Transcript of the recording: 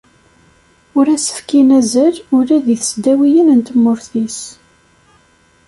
Ur as-fkin azal ula deg tesdawiyin n tmurt-is.